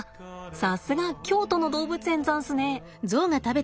さすが京都の動物園ざんすね。